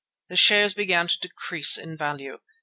The shares began to decrease in value.